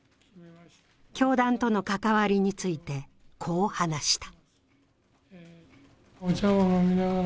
教団との関わりについて、こう話した。